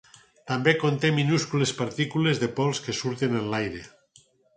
També conté minúscules partícules de pols que suren en l'aire.